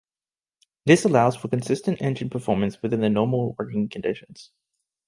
This allows for consistent engine performance within the normal working conditions.